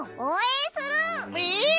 えっ！